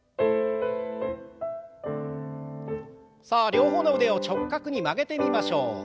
さあ両方の腕を直角に曲げてみましょう。